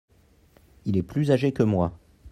Il est plus agé que moi.